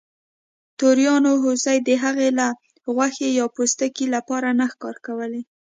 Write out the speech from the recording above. توریانو هوسۍ د هغې له غوښې یا پوستکي لپاره نه ښکار کولې.